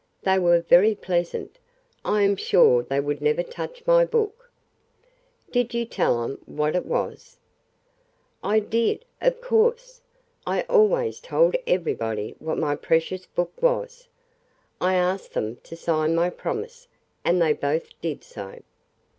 They were very pleasant. I am sure they would never touch my book." "Did you tell them what it was?" "I did, of course. I always told everybody what my precious book was. I asked them to sign my promise, and they both did so."